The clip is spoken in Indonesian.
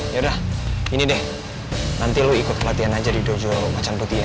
yaudah ini deh nanti lo ikut latihan aja di dojo macan putih ya